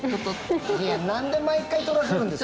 いや、なんで毎回取らせるんですか！